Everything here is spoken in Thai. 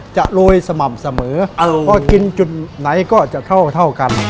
จะโรยสม่ำเสมอเพราะกินจุดไหนก็จะเท่ากัน